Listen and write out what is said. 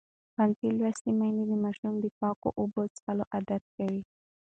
ښوونځې لوستې میندې د ماشومانو د پاکو اوبو څښل عادت کوي.